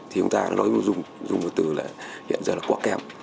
thì chúng ta nói dùng một từ là hiện giờ là quả kèm